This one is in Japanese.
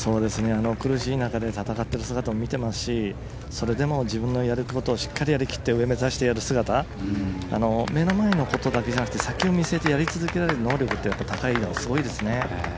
苦しい中で戦っている姿を見ていますしそれでも自分がやることをしっかりやり切って上を目指す姿目の前のことだけじゃなくて先を見据えてやり続けられる能力が高いのはすごいですね。